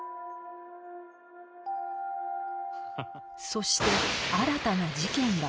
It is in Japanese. そして新たな事件が起きた